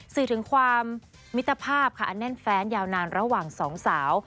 สื่อถึงความมิตรภาพค่ะอันแน่นแฟนยาวนานระหว่างสองสาว